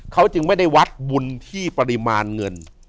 เขาจึงไม่ได้วัดบุญที่ปริมาณเงิน